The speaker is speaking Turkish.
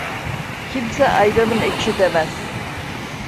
Kimse ayranım ekşi demez.